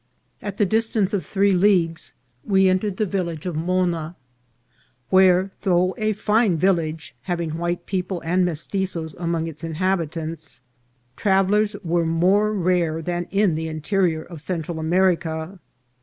At the distance of three leagues we entered the village of Moona, where, though a fine village, having white peo ple and Mestitzoes among its inhabitants, travellers were more rare than in the interior of Central America.